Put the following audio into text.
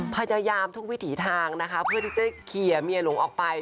พยายามทุกวิถีทางนะคะเพื่อที่จะเคลียร์เมียหลวงออกไป